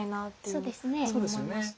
そうですよね。